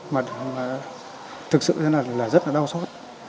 mà thực sự rất là đau xót